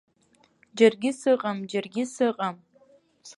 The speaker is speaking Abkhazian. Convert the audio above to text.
Џьаргьы сыҟам, џьаргьы сыҟам.